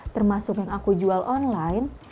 termasuk yang aku jual online